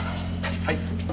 はい。